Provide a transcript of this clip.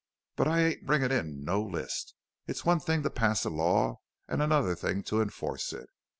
But I ain't bringin' in no list. It's one thing to pass a law and another thing to enforce it!"